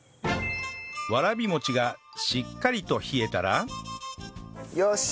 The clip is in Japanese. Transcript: わらびもちがしっかりと冷えたらよし！